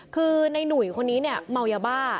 คือในหนุ่ยคนนี้เนี่ยเมายาบ้า